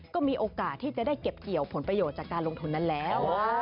ก็มีโอกาสที่จะได้เก็บเกี่ยวผลประโยชน์จากการลงทุนนั้นแล้ว